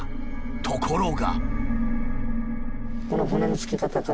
ところが。